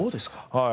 はい。